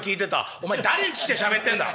「お前誰んち来てしゃべってんだ！